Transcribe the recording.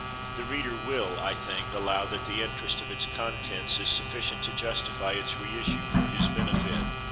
The reader will, I think, allow that the interest of its contents is sufficient to justify its reissue for his benefit.